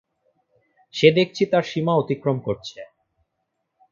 সে দেখছি তার সীমা অতিক্রম করছে।